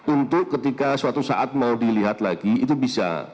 untuk ketika suatu saat mau dilihat lagi itu bisa